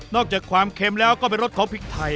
อกจากความเค็มแล้วก็เป็นรสของพริกไทย